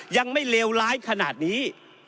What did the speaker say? ยังไม่เลวร้ายขนาดนี้